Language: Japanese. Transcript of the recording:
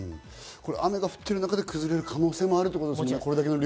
雨が降っている中で崩れる可能性があるということですよね。